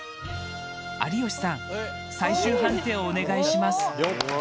有吉さん最終判定をお願いします。